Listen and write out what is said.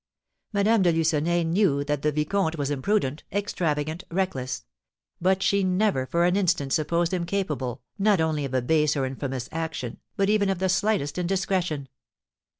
Madame de Lucenay knew that the vicomte was imprudent, extravagant, reckless; but she never for an instant supposed him capable, not only of a base or an infamous action, but even of the slightest indiscretion.